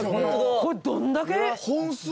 これどんだけ？